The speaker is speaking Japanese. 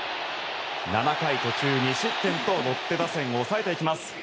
７回途中２失点とロッテ打線を抑えていきます。